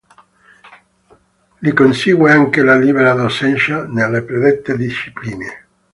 Lì consegue anche la libera docenza nelle predette discipline.